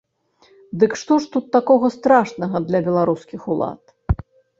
Дык што ж тут такога страшнага для беларускіх улад?